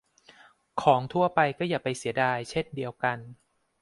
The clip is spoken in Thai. ของทั่วไปก็อย่าไปเสียดายเช่นเดียวกัน